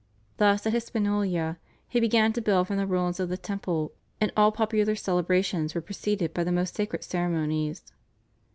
Thus at Hispaniola he began to build from the ruins of the temple, and all popular celebrations were preceded by the most sacred ceremonies.